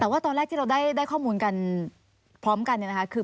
แต่ว่าตอนแรกที่เราได้ข้อมูลกันพร้อมกันคือ